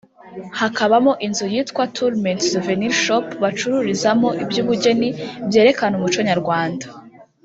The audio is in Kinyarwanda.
hakabamo inzu yitwa “Tourmate Souvenir Shop” bacururizamo iby’ ubugeni byerekana umuco nyarwanda